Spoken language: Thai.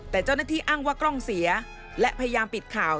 แต่เจ้าหน้าที่อ้างว่ากล้องเสียและพยายามปิดข่าว